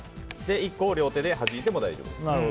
１個を両手ではじいても大丈夫です。